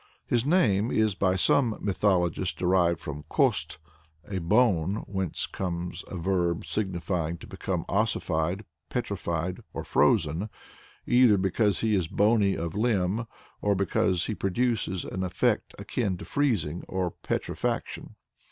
His name is by some mythologists derived from kost', a bone whence comes a verb signifying to become ossified, petrified, or frozen; either because he is bony of limb, or because he produces an effect akin to freezing or petrifaction.